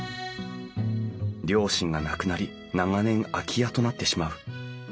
両親が亡くなり長年空き家となってしまう。